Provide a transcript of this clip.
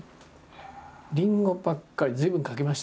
りんごばっかり随分描きましたよ。